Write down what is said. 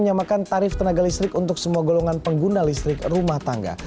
menyamakan tarif tenaga listrik untuk semua golongan pengguna listrik rumah tangga